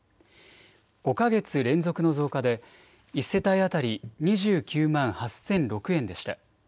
５か月連続の増加で１世帯当たり２９万８００６円でした。